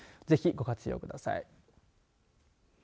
ぜひご活用ください。